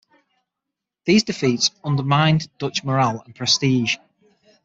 These defeats undermined Dutch morale and prestige.